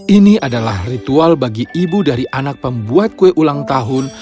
ini adalah ritual bagi ibu dari anak pembuat kue ulang tahun